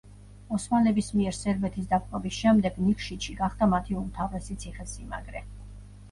ოსმალების მიერ სერბეთის დაპყრობის შემდეგ ნიკშიჩი გახდა მათი უმთავრესი ციხესიმაგრე.